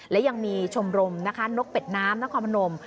และยังมีชมรมนะคะนกเป็ดน้ำนครพนม